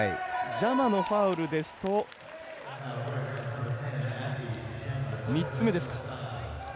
ジャマのファウルですと３つ目ですか。